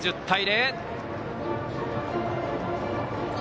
１０対０。